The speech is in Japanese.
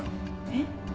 えっ？